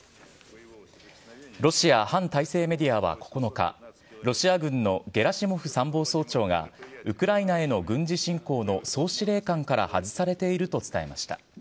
ロシア反体制メディアは９日、ロシア軍のゲラシモフ参謀総長が、ウクライナへの軍事侵攻の総司令官から外されていると伝えました。